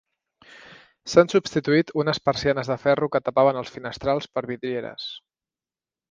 S'han substituït unes persianes de ferro que tapaven els finestrals per vidrieres.